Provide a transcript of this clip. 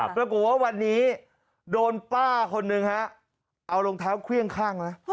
ปรากฏว่าวันนี้โดนป้าคนหนึ่งฮะเอารองเท้าเครื่องข้างแล้ว